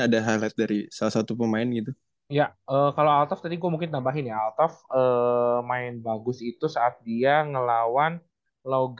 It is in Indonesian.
di luar pemain pemain yang